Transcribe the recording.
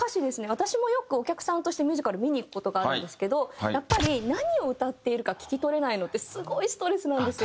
私もよくお客さんとしてミュージカル見に行く事があるんですけどやっぱり何を歌っているか聴き取れないのってすごいストレスなんですよ。